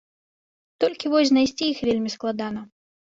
Толькі вось знайсці іх вельмі складана.